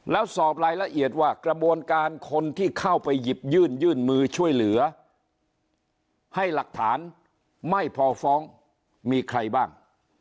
แล้วสอบรายละเอียดว่ากระบวนการคนที่เข้าไปหยิบยื่นยื่นมือช่วยเหลือให้หลักฐานไม่พอฟ้องมีใครบ้าง